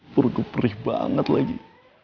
purga perih banget lagi